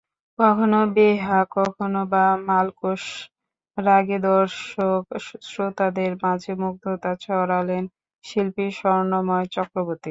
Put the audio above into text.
কখনো বেহাগ, কখনো–বা মালকোষ রাগে দর্শক-শ্রোতাদের মাঝে মুগ্ধতা ছড়ালেন শিল্পী স্বর্ণময় চক্রবর্তী।